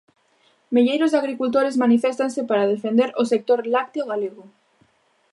Milleiros de agricultores maniféstanse para defender o sector lácteo galego.